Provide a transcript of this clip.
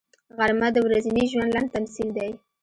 غرمه د ورځني ژوند لنډ تمثیل دی